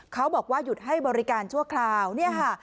เขาบอกว่าหยุดให้บริการชั่วคราวเนี่ยค่ะ